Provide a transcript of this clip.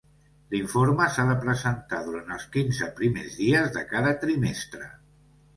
L'informe s'ha de presentar durant els quinze primers dies de cada trimestre.